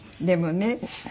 でもね